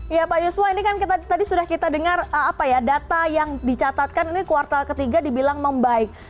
iya pak yuswa ini kan tadi sudah kita dengar data yang dicatatkan ini kuartal ketiga dibilang membaik